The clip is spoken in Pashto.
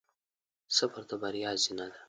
صبر د بریا زینه ده.